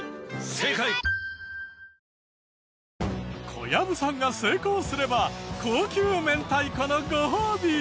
小籔さんが成功すれば高級明太子のご褒美！